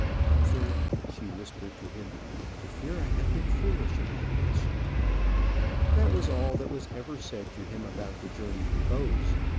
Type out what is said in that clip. "Arthur," she whispered to him, "I fear I have been foolish about this." That was all that was ever said to him about the journey to Bowes.